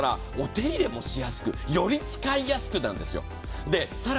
ですから、お手入れもしやすく、より使いやすく、なんですよ。